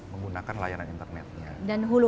menggunakan layanan internetnya dan hulu